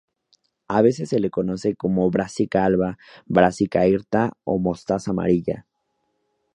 A veces se la conoce como "Brassica alba", "Brassica hirta" o mostaza amarilla.